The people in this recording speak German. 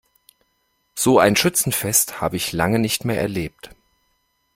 So ein Schützenfest habe ich lange nicht mehr erlebt.